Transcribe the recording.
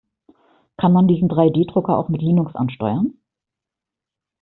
Kann man diesen Drei-D-Drucker auch mit Linux ansteuern?